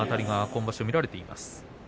今場所見られています。